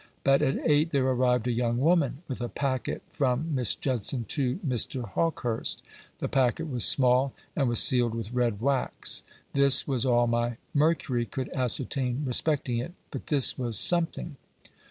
But at eight there arrived a young woman, with a packet from Miss Judson to Mr. Hawkehurst. The packet was small, and was sealed with red wax. This was all my Mercury could ascertain respecting it; but this was something.